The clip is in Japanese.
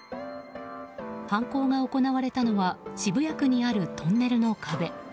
犯行が行われたのは渋谷区にあるトンネルの壁。